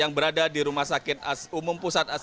yang berada di rumah sakit umum pusat